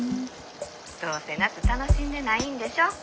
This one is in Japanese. どうせ夏楽しんでないんでしょ。